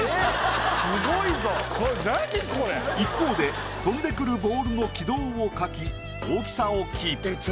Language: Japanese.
一方で飛んでくるボールの軌道を描き大きさをキープ。